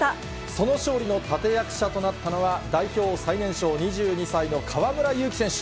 その勝利の立て役者となったのは、代表最年少２２歳の河村勇輝選手。